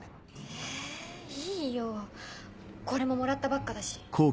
えいいよ。これももらったばっかだし。